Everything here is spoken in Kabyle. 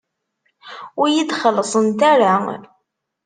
Ur iyi-d-xellṣent ara.